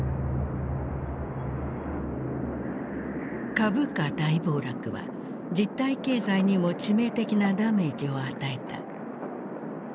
株価大暴落は実体経済にも致命的なダメージを与えた。